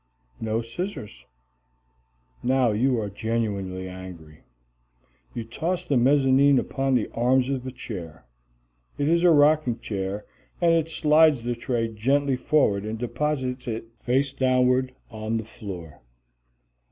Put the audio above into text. No scissors. Now you are genuinely angry. You toss the mezzanine upon the arms of a chair. It is a rocking chair, and it slides the tray gently forward and deposits it face downward on the floor.